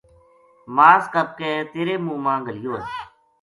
ماس کپ کے تیرے منہ ما گھلیو ہے‘‘